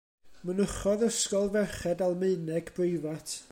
Mynychodd ysgol ferched Almaeneg breifat.